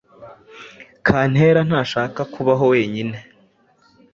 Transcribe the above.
Kankera ntashaka kubaho wenyine.